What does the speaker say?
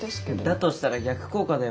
だとしたら逆効果だよ。